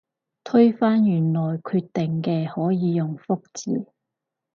推翻原來決定嘅可以用覆字